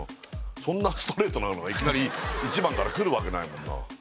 そんなストレートなのがいきなり１番から来るわけないもんな